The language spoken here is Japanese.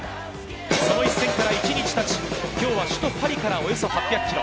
その一戦から１日経ち、きょうは首都パリからおよそ８００ｋｍ。